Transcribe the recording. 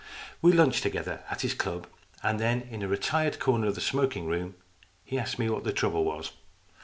We lunched together at his club, and then, in a retired corner of the smoking room, he asked me what the trouble was.